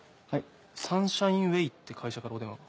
サンシャインウェイって会社からお電話が。